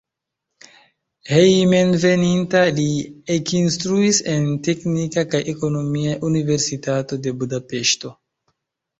Hejmenveninta li ekinstruis en Teknika kaj Ekonomia Universitato de Budapeŝto.